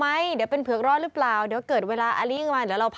อ่ะข้อสุดท้ายนะครับ